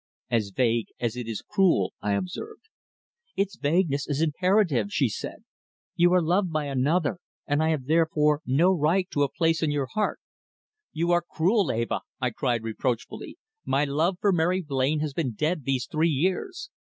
"As vague as it is cruel," I observed. "Its vagueness is imperative," she said. "You are loved by another, and I have therefore no right to a place in your heart." "You are cruel, Eva!" I cried reproachfully. "My love for Mary Blain has been dead these three years.